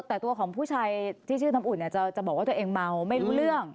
แต่ตัวของผู้ชายที่ชื่อน้ำอุ่นจะบอกว่าตัวเองเมาไม่รู้เรื่อง